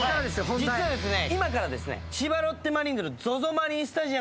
実はですね。